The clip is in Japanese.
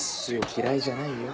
嫌いじゃないよ。